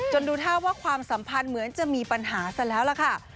ดูท่าว่าความสัมพันธ์เหมือนจะมีปัญหาซะแล้วล่ะค่ะ